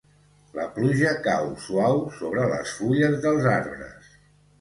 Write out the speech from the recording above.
La pluja cau suau sobre les fulles dels arbres.